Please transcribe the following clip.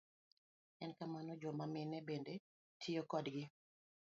En kamano, joma mine bende tiyo kodgi.